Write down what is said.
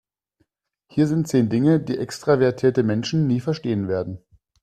Hier sind zehn Dinge, die extravertierte Menschen nie verstehen werden.